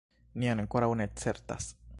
Ni ankoraŭ ne certas.